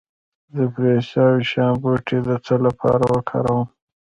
د پرسیاوشان بوټی د څه لپاره وکاروم؟